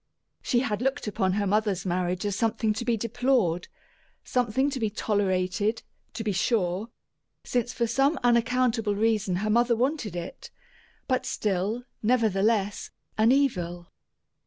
She had looked upon her mother's marriage as something to be deplored; something to be tolerated, to be sure, since for some unaccountable reason her mother wanted it; but, still nevertheless an evil.